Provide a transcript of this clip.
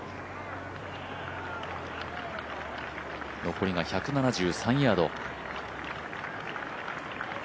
残りが１７３ヤード。